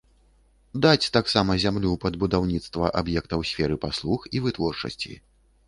Даць таксама зямлю пад будаўніцтва аб'ектаў сферы паслуг і вытворчасці.